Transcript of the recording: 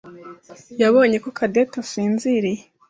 yabonye ko Cadette asinziriye.